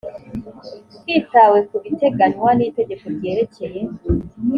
hitawe ku biteganywa n itegeko ryerekeye